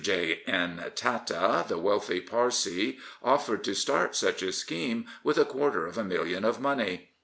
J. N. Tata, the wealthy Parsee, offered to start such a scheme with a quarter of a million of money.